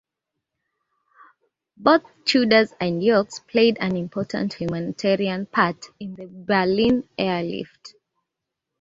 Both Tudors and Yorks played an important humanitarian part in the Berlin Airlift.